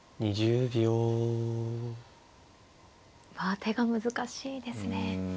あ手が難しいですね。